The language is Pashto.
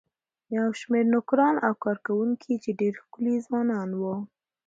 یو شمېر نوکران او کارکوونکي چې ډېر ښکلي ځوانان وو.